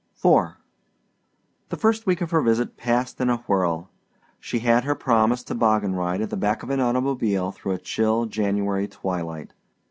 IV The first week of her visit passed in a whirl. She had her promised toboggan ride at the back of an automobile through a chill January twilight.